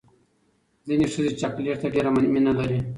ځینې ښځې چاکلیټ ته ډېره مینه لري.